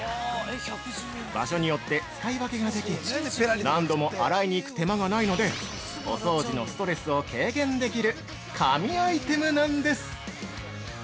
場所によって使い分けができ何度も洗いに行く手間がないのでお掃除のストレスを軽減できる神アイテムなんです。